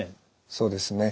そうですね。